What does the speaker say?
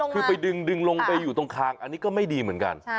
คือไปดึงลงไปอยู่ตรงคางอันนี้ก็ไม่ดีเหมือนกัน